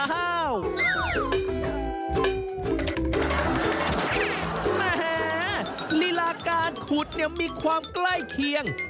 อาหารหลีราคาขุดมีความใกล้เคียง